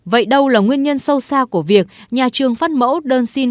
vậy đâu là nguyên nhân sâu xa của việc nhà trường phát mẫu đơn xin